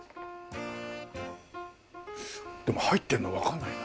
でも入ってるのわかんないな。